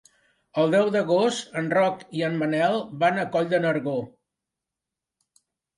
El deu d'agost en Roc i en Manel van a Coll de Nargó.